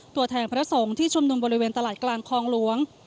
ตัวแทนพระสงฆ์ที่ชุมนุมบริเวณตลาดกลางคลองหลวง